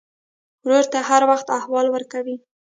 ورور ته هر وخت احوال ورکوې.